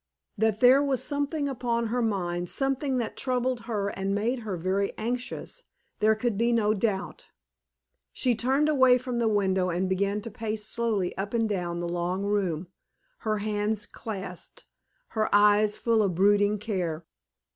That there was something upon her mind, something that troubled her and made her very anxious, there could be no doubt. She turned away from the window and began to pace slowly up and down the long room, her hands clasped, her eyes full of brooding care.